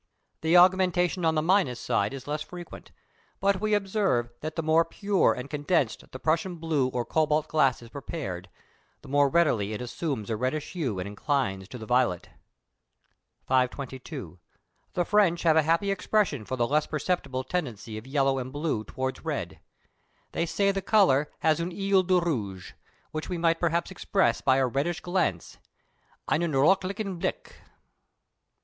The augmentation on the minus side is less frequent; but we observe that the more pure and condensed the Prussian blue or cobalt glass is prepared, the more readily it assumes a reddish hue and inclines to the violet. 522. The French have a happy expression for the less perceptible tendency of yellow and blue towards red: they say the colour has "un œil de rouge," which we might perhaps express by a reddish glance (einen röthlichen blick).